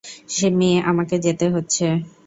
মে, আমাকে যেতে হচ্ছে।